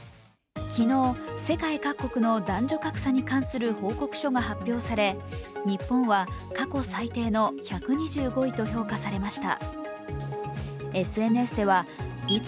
昨日、世界各国の男女格差に関する報告書が発表され日本は過去最低の１２５位と評価されました。